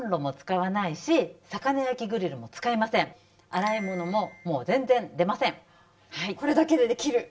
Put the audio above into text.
洗い物も全然出ません。